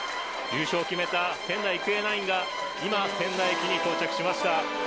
優勝を決めた仙台育英ナインが今、仙台駅に到着しました。